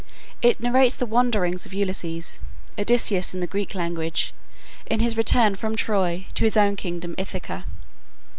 It narrates the wanderings of Ulysses (Odysseus in the Greek language) in his return from Troy to his own kingdom Ithaca.